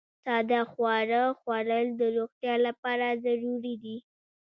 ساده خواړه خوړل د روغتیا لپاره ضروري دي.